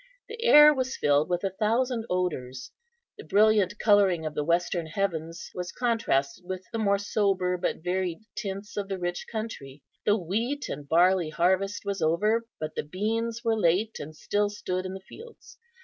The air was filled with a thousand odours; the brilliant colouring of the western heavens was contrasted with the more sober but varied tints of the rich country. The wheat and barley harvest was over; but the beans were late, and still stood in the fields.